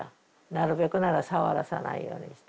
なるべくなら触らさないようにして。